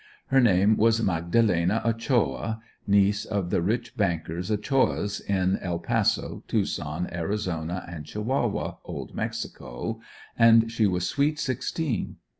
Her name was Magdalena Ochoa, niece to the rich Bankers Ochoa's in El Paso, Tucson, Arizona, and Chihuahua, Old Mexico, and she was sweet sixteen.